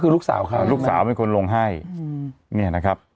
ลูกสาวเป็นคนโรงภัย